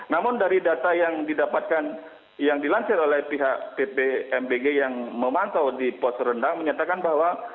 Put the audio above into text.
namun dari data yang dilansir oleh pihak bpm bng yang memantau di pos rendang menyatakan bahwa